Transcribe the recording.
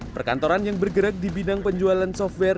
perkantoran yang bergerak di bidang penjualan software